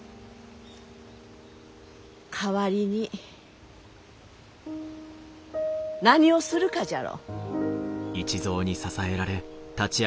代わりに何をするかじゃろ？